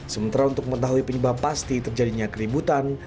sementara untuk mengetahui penyebab pasti terjadinya keributan